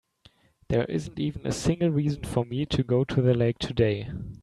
There isn't even a single reason for me to go to the lake today.